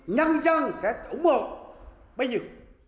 nhân dân sẽ ủng hộ bao nhiêu